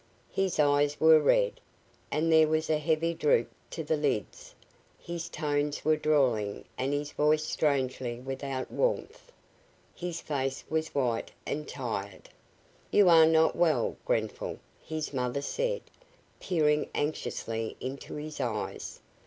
His eyes were red, and there was a heavy droop to the lids; his tones were drawling and his voice strangely without warmth; his face was white and tired. "You are not well, Grenfall," his mother said, peering anxiously into his eyes.